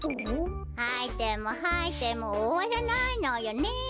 はいてもはいてもおわらないのよね。